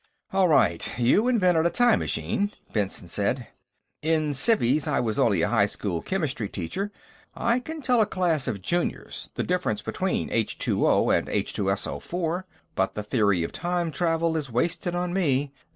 "All right, you invented a time machine," Benson said. "In civvies, I was only a high school chemistry teacher. I can tell a class of juniors the difference between H_O and H_SO_, but the theory of time travel is wasted on me....